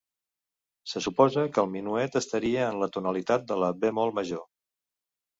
Se suposa que el minuet estaria en la tonalitat de la bemoll major.